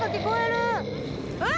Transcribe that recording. うわ！